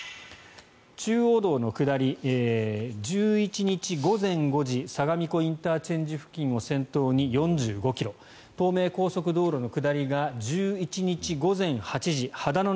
中央道下り、１１日午前５時相模湖ＩＣ付近を先頭に４５ｋｍ東名高速道路の下りが１１日午前８時秦野